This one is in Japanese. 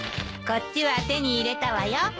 こっちは手に入れたわよ。